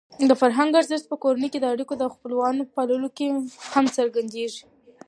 د فرهنګ ارزښت په کورنۍ اړیکو او د خپلوانو په پاللو کې هم څرګندېږي.